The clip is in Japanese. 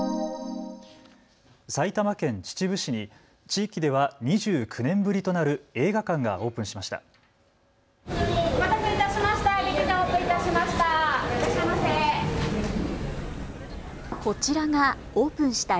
埼玉県秩父市に地域では２９年ぶりとなる映画館がオープンしました。